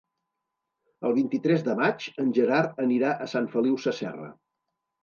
El vint-i-tres de maig en Gerard anirà a Sant Feliu Sasserra.